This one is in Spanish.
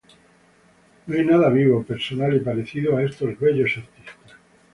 No hay nada vivo, personal y parecido a estos bellos artistas.